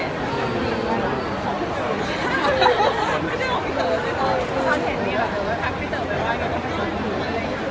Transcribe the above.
สำหรับไหมเมื่อกี้จะมาเป็นงานตรงไฟ